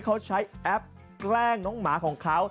เขาใช้แอปแกล้งน้องหมาของเขา